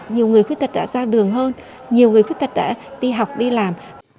nhiều người khuyết tật đã ra đường hơn nhiều người khuyết tật đã đi học đi làm